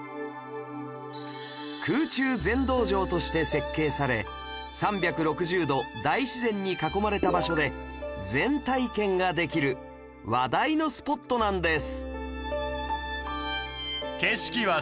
空中禅道場として設計され３６０度大自然に囲まれた場所で禅体験ができる話題のスポットなんです